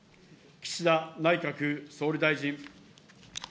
岸田内閣総理大臣。